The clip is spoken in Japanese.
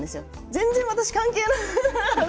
全然、私関係ない。